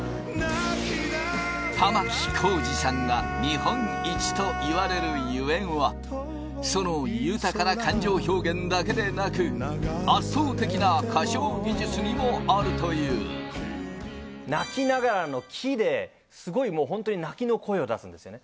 玉置浩二さんが日本一といわれるゆえんはその豊かな感情表現だけでなく圧倒的な歌唱技術にもあるという「泣きながら」の「き」でスゴいもうホントに泣きの声を出すんですよね